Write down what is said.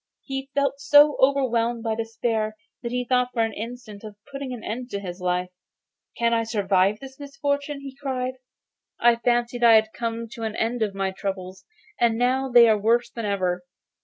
He felt so overwhelmed by despair that he thought for an instant of putting an end to his life. 'Can I survive my misfortunes?' he cried. 'I fancied I had come to an end of my troubles, and now they are worse than ever.